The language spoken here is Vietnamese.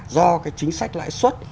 do cái chính sách lãi suất